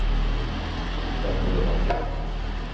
Battere la fiacca.